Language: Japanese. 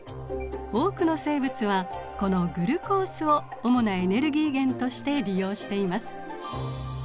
多くの生物はこのグルコースを主なエネルギー源として利用しています。